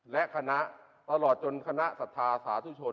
และคณะตลอดจนสถาสถุชน